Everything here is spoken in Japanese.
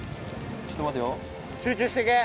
ちょっと待てよ。